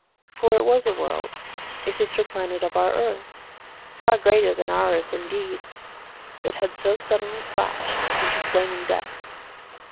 For it was a world, a sister planet of our earth, far greater than our earth indeed, that had so suddenly flashed into flaming death.